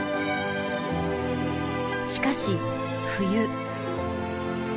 しかし冬。